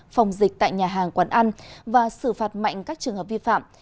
phòng dịch tại nhà hàng quán ăn và xử phạt mạnh các trường hợp vi phạm